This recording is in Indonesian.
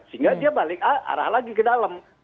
sehingga dia balik arah lagi ke dalam